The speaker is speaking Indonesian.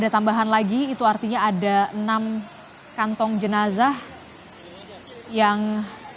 ada tambahan lagi itu artinya ada enam kantong jenazah yang